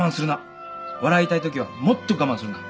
笑いたいときはもっと我慢するな。